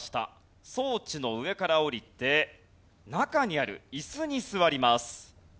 装置の上から下りて中にある椅子に座ります。